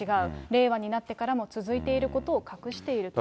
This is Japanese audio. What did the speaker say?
令和になってからも続いていることを隠していると。